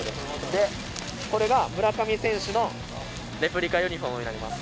で、これが村上選手のレプリカユニホームになります。